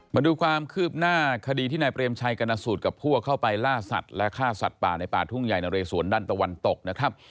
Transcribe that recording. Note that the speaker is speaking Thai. มาดูความคืบหน้าคดีที่นายเปรมชัยกรณสูตรกับพวกเข้าไปล่าสัตว์และฆ่าสัตว์ป่าในป่าทุ่งใหญ่นะเรสวนด้านตะวันตกนะครับ